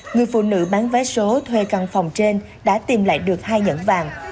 người phụ nữ bán vé số thuê căn phòng trên đã tìm lại được hai nhẫn vàng